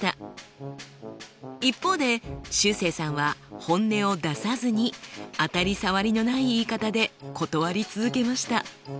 一方でしゅうせいさんは本音を出さずに当たり障りのない言い方で断り続けました。